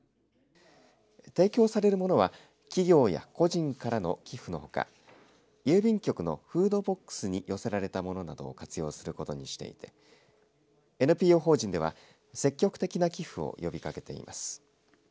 提供されるものは企業や個人からの寄付のほか郵便局のフードボックスに寄せられたものなどを活用することにしていてＮＰＯ法人では積極的な寄付を呼びかけています。